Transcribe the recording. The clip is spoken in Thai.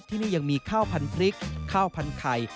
ที่นี่ยังมีข้าวพันพริกข้าวพันไข่